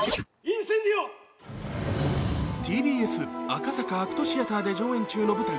ＴＢＳ赤坂ＡＣＴシアターで上演中の舞台